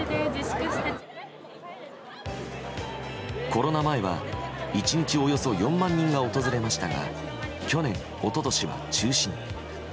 コロナ前は１日およそ４万人が訪れましたが去年、一昨年は中止に。